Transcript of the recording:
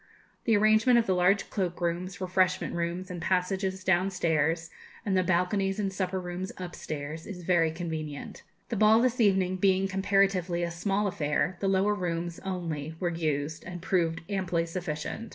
The arrangement of the large cloakrooms, refreshment rooms, and passages downstairs, and the balconies and supper rooms upstairs, is very convenient. The ball this evening being comparatively a small affair, the lower rooms only were used, and proved amply sufficient.